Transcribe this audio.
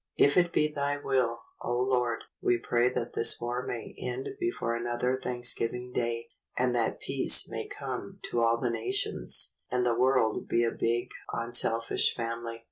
If it be Thy will, O Lord, we pray that this war may end before another Thanksgiving Day, and that Peace may come to all the nations and the world be a big, unselfish family.